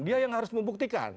dia yang harus membuktikan